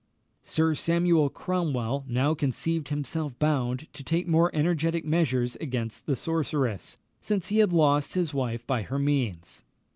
Sir Samuel Cromwell now conceived himself bound to take more energetic measures against the sorceress, since he had lost his wife by her means.